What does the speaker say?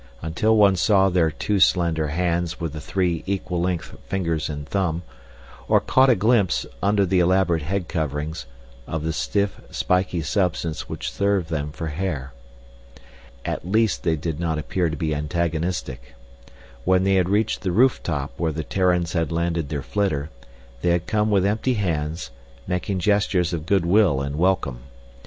Until one saw their too slender hands with the three equal length fingers and thumb, or caught a glimpse, under the elaborate head coverings, of the stiff, spiky substance which served them for hair. At least they did not appear to be antagonistic. When they had reached the roof top where the Terrans had landed their flitter, they had come with empty hands, making gestures of good will and welcome.